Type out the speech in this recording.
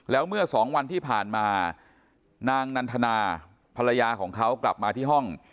แล้วเมื่อสองวันที่ผ่านมานางนันทนาภรรยาของเขากลับมาที่ห้อง